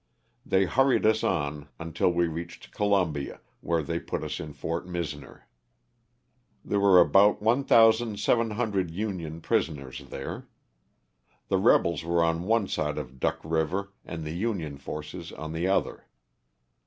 They hurried us on until we reached Columbia, where they put us in Fort Misner. There were about 1,700 Union prisoners there. The rebels were on one side of Duck river and the Union forces on the other.